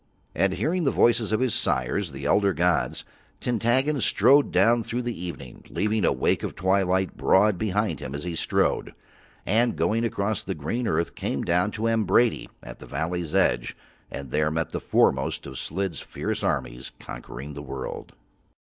And hearing the voices of his sires, the elder gods, Tintaggon strode down through the evening, leaving a wake of twilight broad behind him as he strode: and going across the green earth came down to Ambrady at the valley's edge, and there met the foremost of Slid's fierce armies conquering the world.